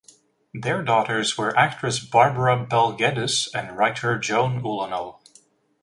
Their daughters were actress Barbara Bel Geddes and writer Joan Ulanov.